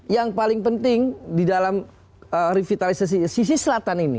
yang paling penting di dalam revitalisasi sisi selatan ini